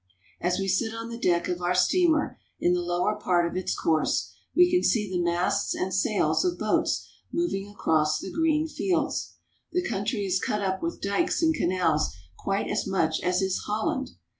As we sit on the deck of our steamer, in the lower part of its course, we can see the masts and sails of boats moving across the green fields. The country is cut up with dikes and canals quite as much as is Holland.